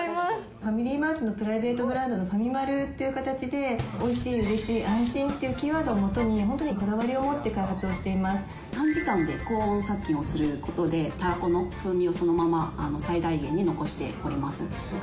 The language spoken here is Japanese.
ファミリーマートのプライベートブランドのファミマルという形で、おいしい、うれしい、安心というキーワードをもとに、こだわりを持って開発をしていま短時間で高温殺菌をすることで、たらこの風味をそのまま最大限に残しております。